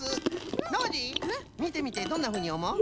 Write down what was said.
ノージーみてみてどんなふうにおもう？